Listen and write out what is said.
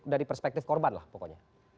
dari perspektif korban lah pokoknya